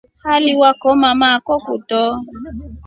Haliwakoma maako kuto.